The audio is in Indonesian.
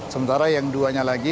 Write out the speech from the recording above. sementara yang duanya lagi